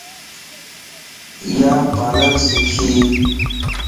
ايا پالر سکي